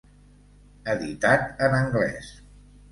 Editat en anglès.